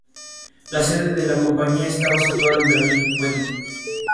La sede de la compañía estaba situada en Berlín-Wedding.